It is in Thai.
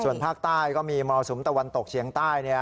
ส่วนภาคใต้ก็มีมรสุมตะวันตกเฉียงใต้